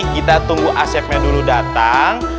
kita tunggu asepnya dulu datang